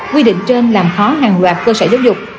quy định trên làm khó hàng loạt cơ sở giáo dục